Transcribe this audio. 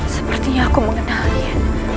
sepertinya aku mengenalnya